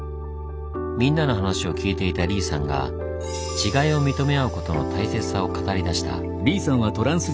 みんなの話を聞いていたＬｅｅさんが違いを認め合うことの大切さを語りだした。